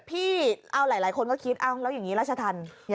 พี่เอาหลายหลายคนก็คิดเอาแล้วอย่างนี้ราชธรรมยังไงด้วย